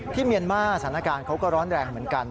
เมียนมาร์สถานการณ์เขาก็ร้อนแรงเหมือนกัน